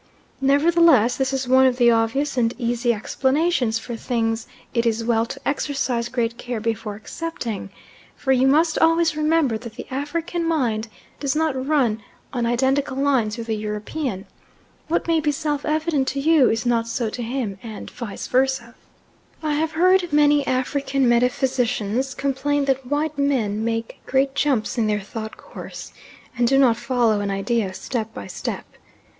Nevertheless this is one of the obvious and easy explanations for things it is well to exercise great care before accepting, for you must always remember that the African's mind does not run on identical lines with the European what may be self evident to you is not so to him, and vice versa. I have frequently heard African metaphysicians complain that white men make great jumps in their thought course, and do not follow an idea step by step.